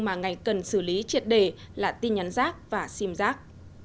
mà ngành cần xử lý triệt đề là tin nhắn giác và xim giác